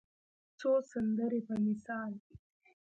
څو سندرې په مثال